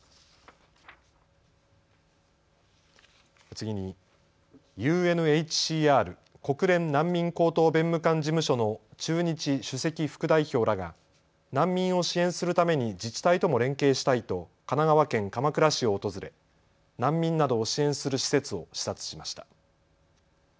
次にＵＮＨＣＲ・国連難民高等弁務官事務所の駐日首席副代表らが難民を支援するために自治体とも連携したいと神奈川県鎌倉市を訪れ難民などを支援する施設を視察しました。